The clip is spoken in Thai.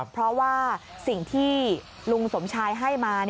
เพราะว่าสิ่งที่ลุงสมชายให้มา